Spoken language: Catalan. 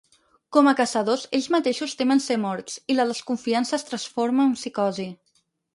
Com a caçadors, ells mateixos temen ser morts, i la desconfiança es transforma en psicosi.